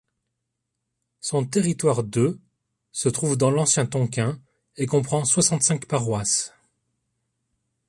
Son territoire de se trouve dans l'ancien Tonkin et comprend soixante-cinq paroisses.